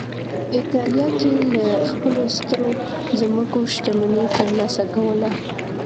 په اېټالیا کې له خپلو سترو ځمکو شتمني ترلاسه کوله